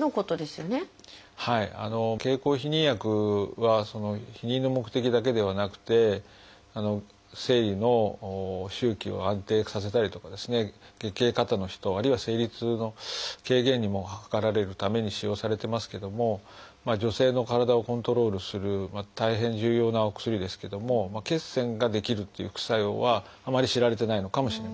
経口避妊薬は避妊の目的だけではなくて生理の周期を安定させたりとか月経過多の人あるいは生理痛の軽減を図られるために使用されてますけども女性の体をコントロールする大変重要なお薬ですけども血栓が出来るっていう副作用はあまり知られてないのかもしれません。